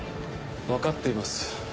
分かっています。